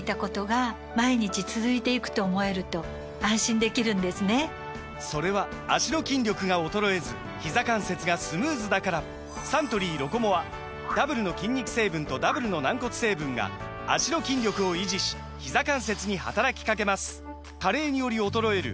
夏が香るアイスティーサントリー「ロコモア」・それは脚の筋力が衰えずひざ関節がスムーズだからサントリー「ロコモア」ダブルの筋肉成分とダブルの軟骨成分が脚の筋力を維持しひざ関節に働きかけます加齢により衰える